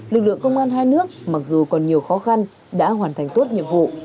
lực lượng công an hai nước mặc dù còn nhiều khó khăn đã hoàn thành tốt nhiệm vụ